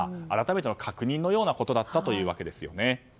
改めての確認のようなことだったというわけです。